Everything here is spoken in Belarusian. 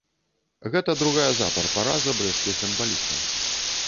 Гэта другая запар параза брэсцкіх гандбалістаў.